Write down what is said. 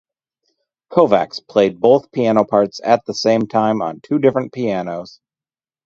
Kovacs played both piano parts at the same time on two different pianos.